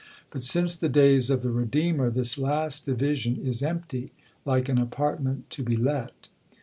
But since the days of the Redeemer, this last division is empty, like an apartment to be let.